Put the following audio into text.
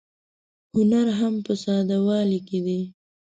هنر هم په ساده والي کې دی.